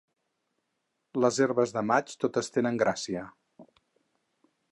Les herbes de maig totes tenen gràcia.